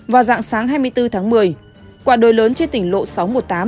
vào dạng sáng hai mươi bốn tháng một mươi quả đồi lớn trên tỉnh lộ sáu trăm một mươi tám